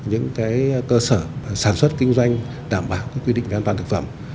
những cơ sở sản xuất kinh doanh đảm bảo quy định về an toàn thực phẩm